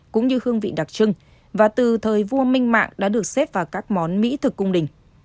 cũng như hương vị đặc trưng và từ thời vua minh mạng đã được xếp vào các món mỹ thực cung đình